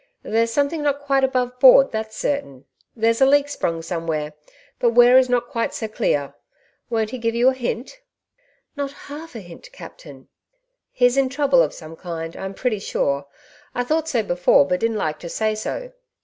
" There's something not quite above board, that's certain ; there's a leak sprung somewhere, but where is not quite so clear; won't he give you a hint ?''" Not half a hint, captain." " He's in trouble of some kind, I'm pretty sure. I thought so before, but didn't like to say so.